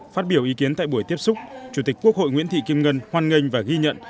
phát biểu ý kiến tại buổi tiếp xúc chủ tịch quốc hội nguyễn thị kim ngân hoan nghênh và ghi nhận